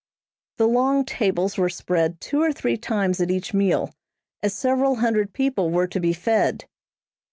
The long tables were spread two or three times at each meal, as several hundred people were to be fed.